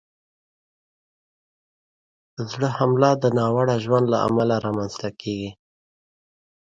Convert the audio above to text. د زړه حمله د ناوړه ژوند له امله رامنځته کېږي.